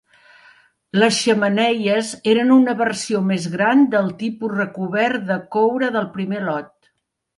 Les xemeneies eren una versió més gran del tipus recobert de coure del primer lot.